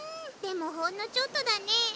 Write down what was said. でもほんのちょっとだね。